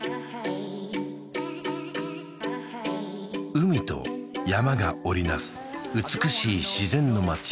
海と山が織りなす美しい自然の町